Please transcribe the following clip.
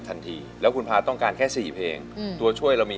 ทันทีแล้วคุณพาต้องการแค่สี่เพลงอืมตัวช่วยเรามี